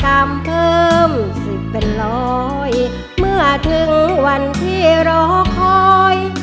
กล้ามเพิ่มสิบเป็นรอยเมื่อถึงวันที่รอคอย